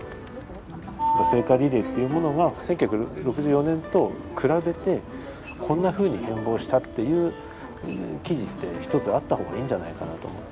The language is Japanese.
聖火リレーっていうものが１９６４年と比べてこんなふうに変貌したっていう記事ってひとつあった方がいいんじゃないかなと思って。